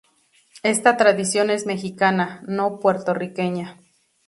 Esta tradición es mexicana, no puertorriqueña.